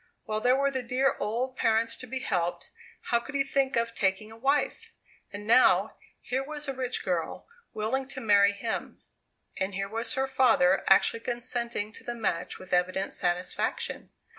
While there were the dear old parents to be helped, how could he think of taking a wife? And now, here was a rich girl willing to marry him; and here was her father actually consenting to the match with evident satisfaction!